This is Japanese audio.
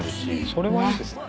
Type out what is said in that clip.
それはいいですね。